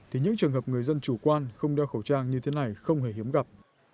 thì những trường hợp người dân chủ quan không đeo khẩu trang như thế này không hề hiếm gặp